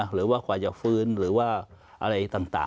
หรือว่ากว่าจะฟื้นหรือว่าอะไรต่าง